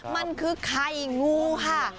มันคือไข่งูค่ะ